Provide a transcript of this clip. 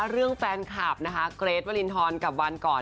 เรื่องแฟนคลัพย์เกรทวารินทรกับมอรหมอน